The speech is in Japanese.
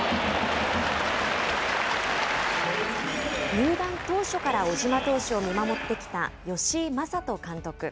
入団当初から小島投手を見守ってきた吉井理人監督。